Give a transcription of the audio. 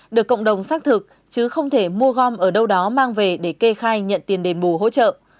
được cộng đồng xác thực chứ không thể mua gom ở đâu đó mang về để kê khai nhận tiền đền bù hỗ trợ